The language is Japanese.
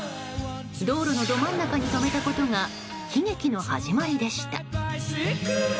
道路のど真ん中に止めたことが悲劇の始まりでした。